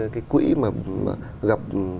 cái quỹ mà gặp